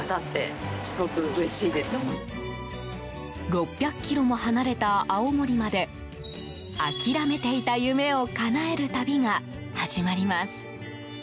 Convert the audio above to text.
６００ｋｍも離れた青森まで諦めていた夢をかなえる旅が始まります。